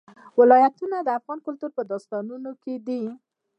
ولایتونه د افغان کلتور په داستانونو کې دي.